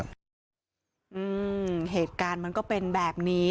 อืมเหตุการณ์มันก็เป็นแบบนี้